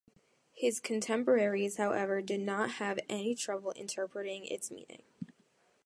His contemporaries, however, did not have any trouble interpreting its meaning.